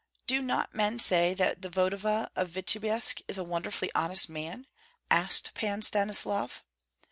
"Do not men say that the voevoda of Vityebsk is a wonderfully honest man?" asked Pan Stanislav.